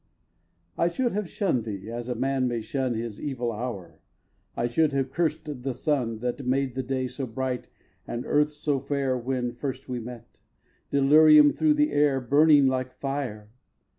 iv. I should have shunn'd thee as a man may shun His evil hour. I should have curst the sun That made the day so bright and earth so fair When first we met, delirium through the air Burning like fire!